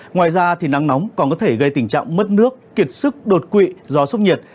ngoài ra thì nắng nóng còn có thể gây tình trạng mất nước kiệt sức đột quỵ do sốc nhiệt